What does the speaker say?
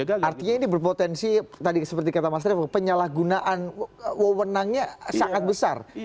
artinya ini berpotensi seperti kata mas rief penyalahgunaan wawonannya sangat besar